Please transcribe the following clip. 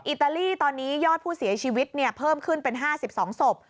อิตาลีตอนนี้ยอดผู้เสียชีวิตเพิ่มขึ้นเป็น๕๒ศพ